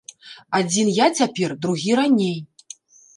Адзін я цяпер, другі раней.